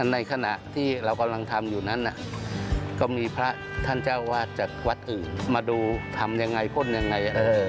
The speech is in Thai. ในขณะที่เรากำลังทำอยู่นั้นก็มีพระท่านเจ้าวาดจากวัดอื่นมาดูทำยังไงพ่นยังไง